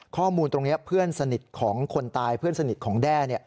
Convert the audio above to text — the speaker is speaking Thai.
ข้อมูลตรงนี้เพื่อนสนิทของคนตายเพื่อนสนิทของแด้